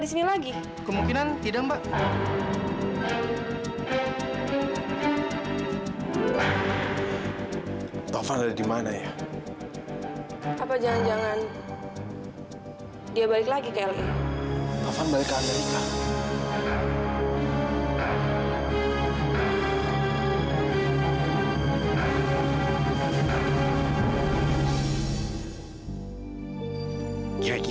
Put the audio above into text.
sampai jumpa di video selanjutnya